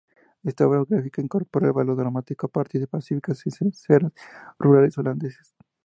Esta obra gráfica incorpora el valor dramático a partir de pacíficas escenas rurales holandesas.